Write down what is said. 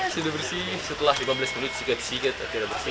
sudah bersih setelah lima belas menit sikat sikat